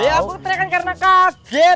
ya aku teriakan karena kaget